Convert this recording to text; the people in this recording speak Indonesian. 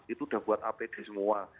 itu udah buat apd semua